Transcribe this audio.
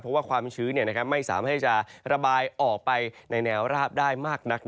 เพราะว่าความชื้นไม่สามารถให้จะระบายออกไปในแนวราบได้มากนัก